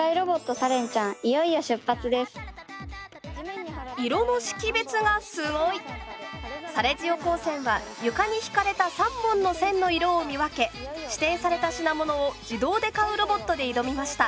サレジオ高専は床に引かれた３本の線の色を見分け指定された品物を自動で買うロボットで挑みました。